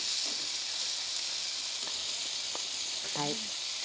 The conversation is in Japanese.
はい。